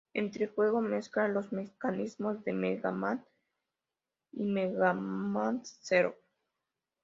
Este juego mezcla los mecanismos de Mega Man X y Mega Man Zero.